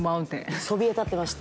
そびえ立ってました